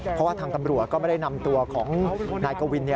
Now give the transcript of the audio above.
เพราะว่าทางตำรวจก็ไม่ได้นำตัวของนายกวิน